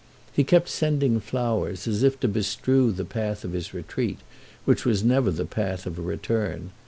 He kept sending flowers, as if to bestrew the path of his retreat, which was never the path of a return.